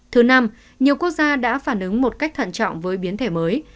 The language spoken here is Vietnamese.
thứ năm nhiều quốc gia đã phản ứng một cách thận trọng với biến thể mới